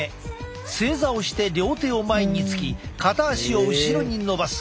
正座をして両手を前につき片足を後ろに伸ばす。